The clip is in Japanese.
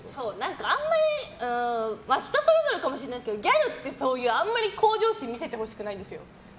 あんまり人それぞれかもしれないけどギャルって、あんまり向上心見せてほしくないんですよ。